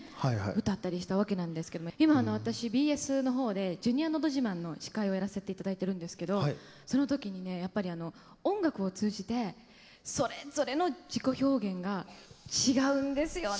歌ったりしたわけなんですけども今あの私ＢＳの方で「ジュニアのど自慢」の司会をやらせていただいてるんですけどその時にねやっぱり音楽を通じてそれぞれの自己表現が違うんですよね。